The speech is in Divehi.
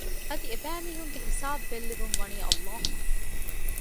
އަދި އެބައިމީހުންގެ ހިސާބު ބެއްލެވުން ވަނީ ﷲ